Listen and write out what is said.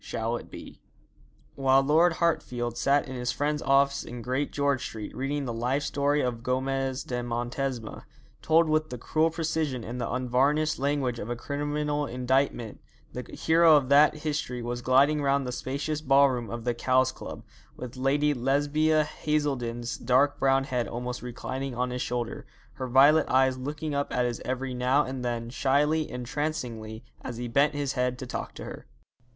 'SHALL IT BE?' While Lord Hartfield sat in his friend's office in Great George Street reading the life story of Gomez de Montesma, told with the cruel precision and the unvarnished language of a criminal indictment, the hero of that history was gliding round the spacious ballroom of the Cowes Club, with Lady Lesbia Haselden's dark brown head almost reclining on his shoulder, her violet eyes looking up at his every now and then, shyly, entrancingly, as he bent his head to talk to her.